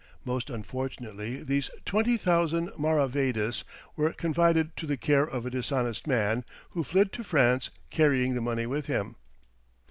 Most unfortunately these 20,000 maravédis were confided to the care of a dishonest man, who fled to France, carrying the money with him.